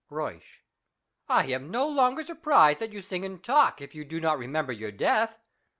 Euysch. I am no longer surprised that you sing and talk, if you do not remember your death.